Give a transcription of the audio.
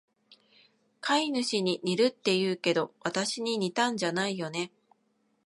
飼い主に似るって言うけど、わたしに似たんじゃないよね？